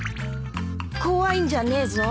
怖いんじゃねえぞ